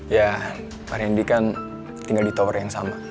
ya pak randy kan tinggal di tower yang sama